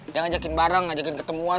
dia ngajakin barang ngajakin ketemuan